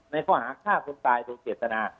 ในข้อหาฆ่าสนตายตรงเกตนา